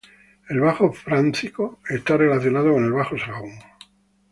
El bajo fráncico está relacionado con el bajo sajón.